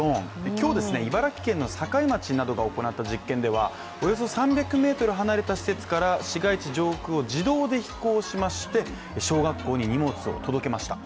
今日、茨城県の境町などが行った実験ではおよそ３００ｍ離れた施設から市街地上空を自動で飛行しまして小学校に荷物を届けました。